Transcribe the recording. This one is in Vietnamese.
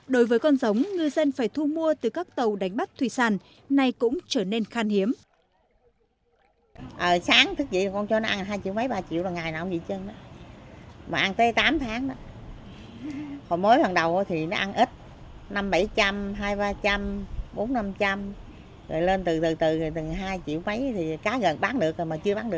đối với con giống người dân phải thu mua từ các tàu đánh bắt thủy sàn nay cũng trở nên khan hiếm